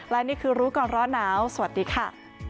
และนี่คือรู้ก่อนร้อนหนาวสวัสดีค่ะ